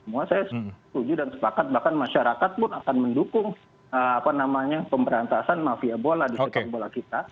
semua saya setuju dan sepakat bahkan masyarakat pun akan mendukung pemberantasan mafia bola di sepak bola kita